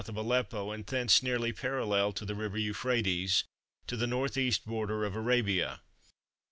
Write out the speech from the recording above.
of Aleppo and thence nearly parallel to the river Euphrates to the N. E. border of Arabia.